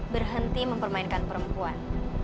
berhenti mempermainkan perempuan